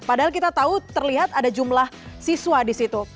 padahal kita tahu terlihat ada jumlah siswa di situ